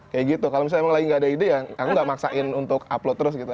kayak gitu kalau misalnya emang lagi gak ada ide ya aku nggak maksain untuk upload terus gitu